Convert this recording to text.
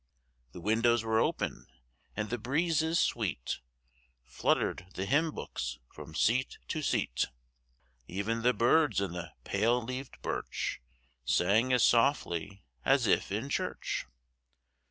The windows were open, and breezes sweet Fluttered the hymn books from seat to seat. Even the birds in the pale leaved birch Sang as softly as if in church!